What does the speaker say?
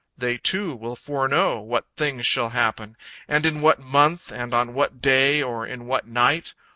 They, too, will foreknow what things shall happen, and in what month and on what day or in what night.